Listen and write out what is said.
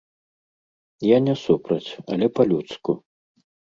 Я не супраць, але па-людску.